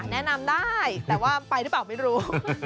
แนะนำได้แต่ว่าไปหรือเปล่าไม่รู้